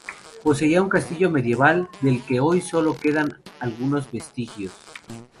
Poseía un castillo medieval, del que hoy sólo quedan algunos vestigios.